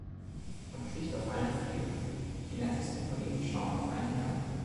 Man kriecht auf allen Vieren, und die nettesten von ihnen schauen auf einen hinab.